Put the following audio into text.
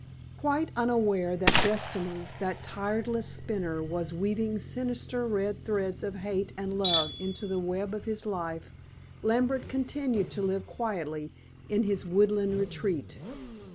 Quite unaware that Destiny, that tireless spinner, was weaving sinister red threads of hate and love into the web of his life, Lambert continued to live quietly in his woodland retreat.